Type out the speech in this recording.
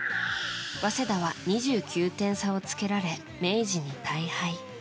早稲田は２９点差をつけられ、明治に大敗。